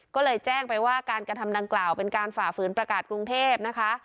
ก็เลยแจ้งไปว่าการกระทำดังกล่าวเป็นการฝ่าฝืนประกาศกรุงเทพนะคะ